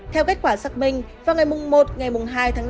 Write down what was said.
theo kết quả xác minh vào ngày mùng một ngày mùng hai tháng năm